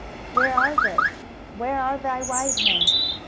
23:019:012 Where are they? where are thy wise men?